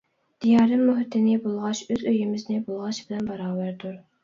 دىيارىم مۇھىتىنى بۇلغاش ئۆز ئۆيىمىزنى بۇلغاش بىلەن باراۋەردۇر.